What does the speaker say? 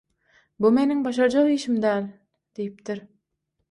«Bu meniň başarjak işim däl» diýipdir.